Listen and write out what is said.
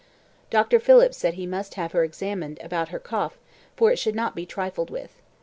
Dr. Phillips said he must have her examined about her cough, for it should not be trifled with.